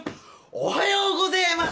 おはようごぜえます！